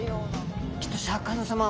きっとシャーク香音さま